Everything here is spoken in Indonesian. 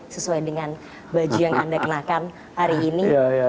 sesuai dengan baju yang anda kenakan hari ini